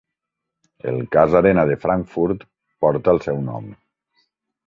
El cas Arena de Frankfurt porta el seu nom.